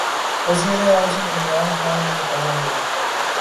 وزیراعظم عمران خان نے کہا ہے